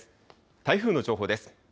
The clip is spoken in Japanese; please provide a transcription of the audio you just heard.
台風の情報です。